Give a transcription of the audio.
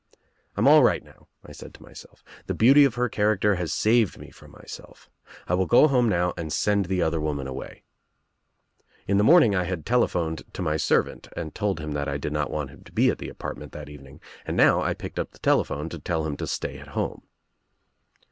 'I'm all right now', I said to myself. 'The beauty of her character has saved me from myself, I will go home now and send the other woman away," In the morn ing I had telephoned to my servant and told him that I did not want him to be at the apartment that even ing and I now picked up the telephone to tell him to stay at home.